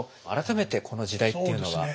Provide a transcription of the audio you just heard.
改めてこの時代っていうのは？